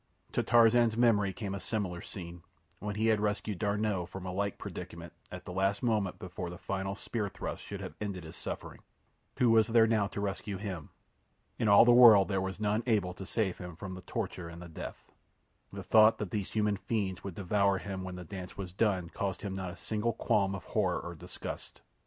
To Tarzan's memory came a similar scene, when he had rescued D'Arnot from a like predicament at the last moment before the final spear thrust should have ended his sufferings. Who was there now to rescue him? In all the world there was none able to save him from the torture and the death. The thought that these human fiends would devour him when the dance was done caused him not a single qualm of horror or disgust.